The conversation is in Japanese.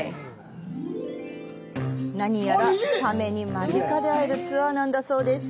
何やらサメに間近で会えるツアーなんだそうです。